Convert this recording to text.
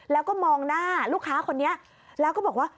แล้วก็มองหน้าลูกค้าคนนี้แล้วก็บอกว่า